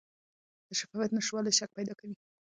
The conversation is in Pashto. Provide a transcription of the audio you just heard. د شفافیت نشتوالی شک پیدا کوي